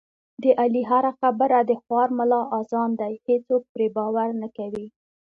د علي هره خبره د خوار ملا اذان دی، هېڅوک پرې باور نه کوي.